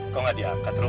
kok gak diangkat rom